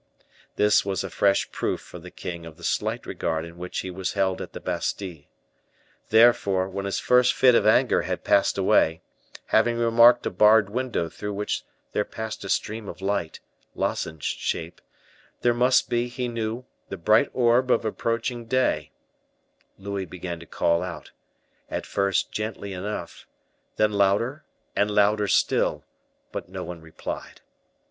This was a fresh proof for the king of the slight regard in which he was held at the Bastile. Therefore, when his first fit of anger had passed away, having remarked a barred window through which there passed a stream of light, lozenge shaped, which must be, he knew, the bright orb of approaching day, Louis began to call out, at first gently enough, then louder and louder still; but no one replied.